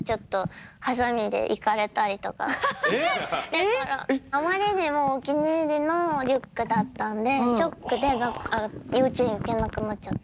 だからあまりにもお気に入りのリュックだったんでショックで幼稚園行けなくなっちゃった。